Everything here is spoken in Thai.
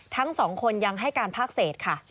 ทั้งสองคนยังให้การภาคเศษค่ะ